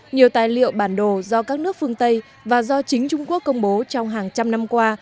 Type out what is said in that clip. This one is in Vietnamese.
nhiều tài liệu bản đồ do các nước phương tây và do chính trung quốc công bố trong hàng trăm năm qua